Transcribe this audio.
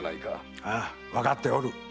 ああわかっておる。